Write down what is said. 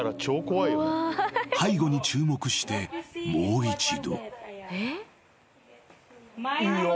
［背後に注目してもう一度］